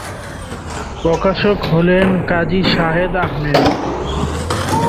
প্রকাশক হলেন "কাজী শাহেদ আহমেদ"।